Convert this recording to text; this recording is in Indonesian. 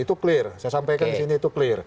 itu clear saya sampaikan di sini itu clear